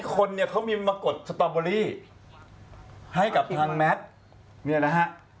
คนเนี่ยเขามีมากดสตอเบอรี่ให้กับทางแมทเนี่ยนะฮะ